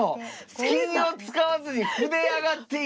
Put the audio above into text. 金を使わずに歩で上がっていく。